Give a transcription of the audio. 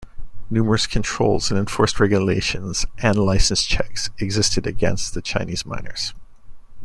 Numerous controls and enforced regulations and licence checks existed against the Chinese miners.